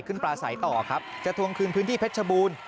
ขึ้นปลาไสต่อครับจะทวงคืนพื้นที่เพชรบูล